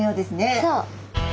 そう。